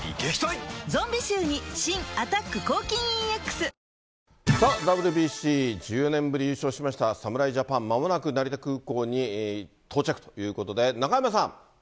ゾンビ臭に新「アタック抗菌ＥＸ」ＷＢＣ、１０年ぶり優勝しました、侍ジャパン、まもなく成田空港に到着ということで、中山さん。